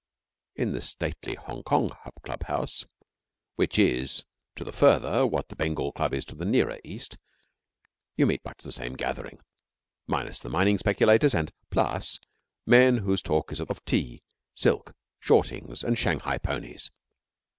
In the stately Hongkong Clubhouse, which is to the further what the Bengal Club is to the nearer East, you meet much the same gathering, minus the mining speculators and plus men whose talk is of tea, silk, shortings, and Shanghai ponies.